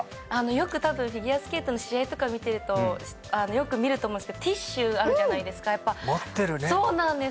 よく多分フィギュアスケートの試合とかを見てるとよく見ると思うんですけどティッシュあるじゃないですか持ってるねそうなんです